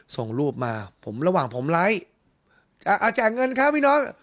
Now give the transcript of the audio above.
ส่งรูปมาผมระหว่างผมไลค์จะเอาแจกเงินครับพี่น้อง